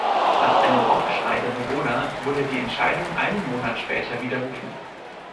Nach einem Aufschrei der Bewohner wurde die Entscheidung einen Monat später widerrufen.